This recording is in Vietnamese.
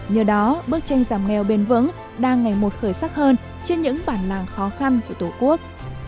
nhờ đó bức tranh giảm nghèo bền vững đang ngày một khởi sắc hơn trên những bản làng khó khăn của tổ quốc